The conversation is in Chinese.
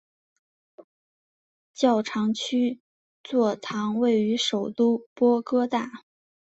教长区座堂位于首都波哥大。